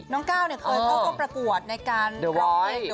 น้องก้าวเขาก้อยก็ปรากวดในการรองเพลงที่แหละ